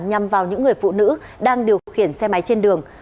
nhằm vào những người phụ nữ đang điều khiển xe máy trên đường